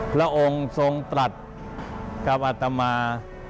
พระองค์ทรงตรัสกับอัตมา